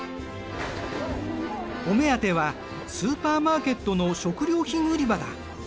お目当てはスーパーマーケットの食料品売り場だ。